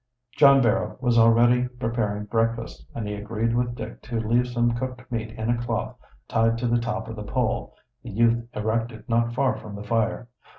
John Barrow was already preparing breakfast, and he agreed with Dick to leave some cooked meat in a cloth tied to the top of the pole the youth erected not far from the fire.